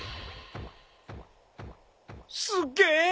すげえ！